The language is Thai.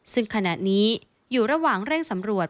ซึ่งขณะนี้อยู่ระหว่างเร่งสำรวจ